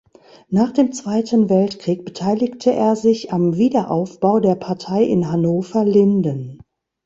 Nach dem Zweiten Weltkrieg beteiligte er sich am Wiederaufbau der Partei in Hannover-Linden.